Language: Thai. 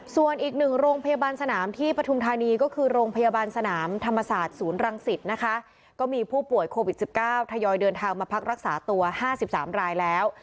ส่วนอีกหนึ่งโรงพยาบาลสนามที่ปฐุมธานีก็คือโรงพยาบาลสนามธรรมศาสตร์ศูนย์รังสิตนะคะก็มีผู้ป่วยโควิด๑๙ทยอยเดินทางมาพักรักษาตัว๕๓รายแล้ว